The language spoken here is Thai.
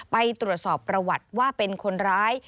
ไปตรวจสอบประวัติว่าเป็นคนร้าย